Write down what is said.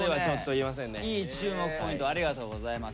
いい注目ポイントありがとうございます。